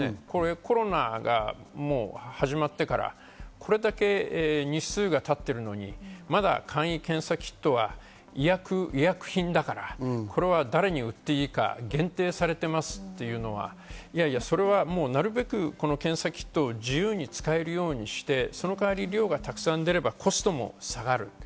コロナが始まってから、これだけ日数が経ってるのにまだ簡易検査キットは医薬品だからこれは誰に売っていいか限定されてますっていうのは、それはもうなるべく検査キットを自由に使えるようにしてその代わり量がたくさん出ればコストも下がる。